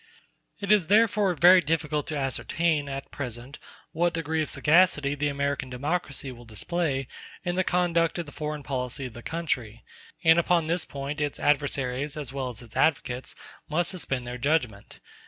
It is therefore very difficult to ascertain, at present, what degree of sagacity the American democracy will display in the conduct of the foreign policy of the country; and upon this point its adversaries, as well as its advocates, must suspend their judgment.